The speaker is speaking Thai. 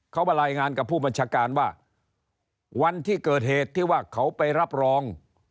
เขามารายงานกับผู้บัญชาการว่าวันที่เกิดเหตุที่ว่าเขาไปรับรอง